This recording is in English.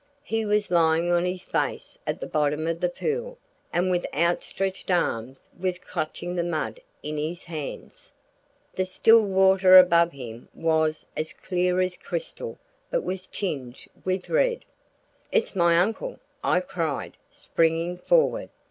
He was lying on his face at the bottom of the pool, and with outstretched arms was clutching the mud in his hands. The still water above him was as clear as crystal but was tinged with red. "It's my uncle!" I cried, springing forward.